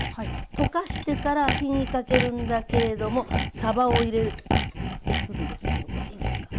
溶かしてから火にかけるんだけれどもさばを入れていくんですけどこれいいですか？